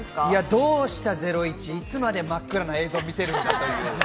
どうした『ゼロイチ』、いつまで真っ暗な映像を見せるのか。